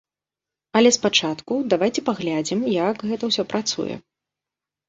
Але спачатку давайце паглядзім, як гэта ўсё працуе.